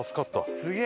すげえ！